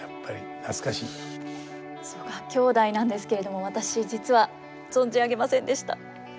曽我兄弟なんですけれども私実は存じ上げませんでした。